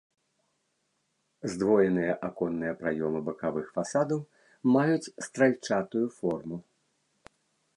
Здвоеныя аконныя праёмы бакавых фасадаў маюць стральчатую форму.